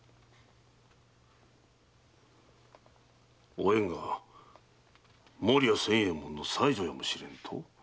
おえんが守屋仙右衛門の妻女やもしれぬと？